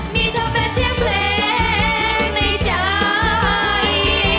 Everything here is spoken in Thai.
มีเธอเป็นเสียงเพลงในใจ